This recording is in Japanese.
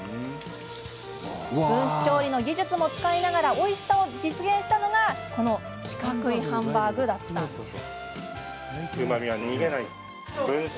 分子調理の技術も使いながらおいしさを実現したのがこの四角いハンバーグだったんです。